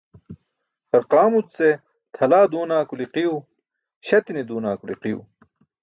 Qarqaamuc ce tʰalaa duuna kuli qiiw, śati̇ne duuna kuli qiiw.